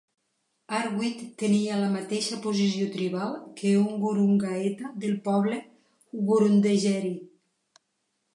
Arweet tenia la mateixa posició tribal que un ngurungaeta del poble Wurundjeri.